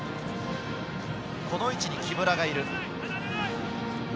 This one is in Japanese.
この位置に木村がいる。